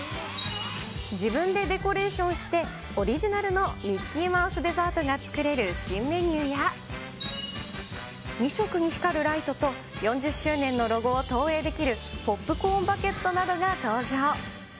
自分でデコレーションしてオリジナルのミッキーマウスデザートが作れる新メニューや、２色に光るライトと４０周年のロゴを投影できるポップコーンバケットなどが登場。